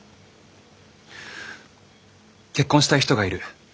結婚したい人がいる。